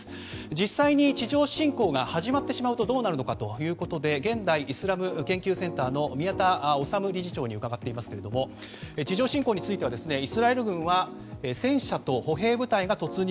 実際に地上侵攻が始まってしまうとどうなるのかということで現代イスラム研究センターの宮田律理事長に伺っていますが地上侵攻についてはイスラエル軍は戦車と歩兵部隊が突入。